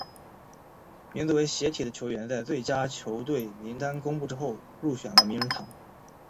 名字为斜体的球员在最佳球队名单公布之后入选了名人堂。